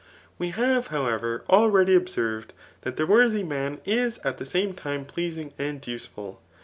We have, however, already observec!, that the worthy man is at the same time pleasing and useful.